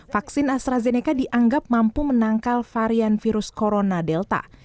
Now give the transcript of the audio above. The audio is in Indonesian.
vaksin astrazeneca dianggap mampu menangkal varian virus corona delta